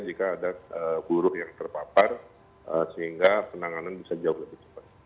jika ada buruh yang terpapar sehingga penanganan bisa jauh lebih cepat